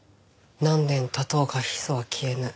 「何年経とうが砒素は消えぬ」。